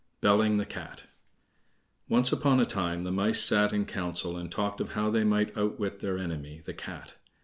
Belling the Cat Once upon a time the mice sat in council and talked of how they might outwit their enemy, the Cat.